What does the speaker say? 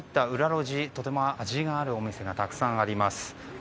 路地とても味があるお店がたくさんあります。